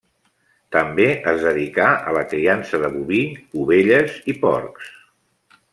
També es dedicà a la criança de boví, ovelles i porcs.